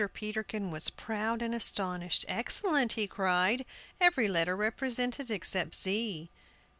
Peterkin was proud and astonished. "Excellent!" he cried. "Every letter represented except Z."